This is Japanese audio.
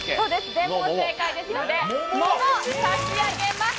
全問正解ですので桃差し上げます！